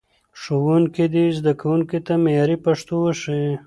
ښوونکي دې زدهکوونکو ته معیاري پښتو وښيي.